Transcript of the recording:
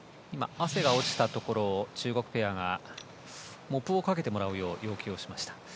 汗が落ちたところを中国ペアがモップをかけてもらうように要求しました。